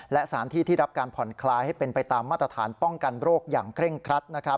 และสถานที่ที่รับการผ่อนคลายให้เป็นไปตามมาตรฐานป้องกันโรคอย่างเคร่งครัด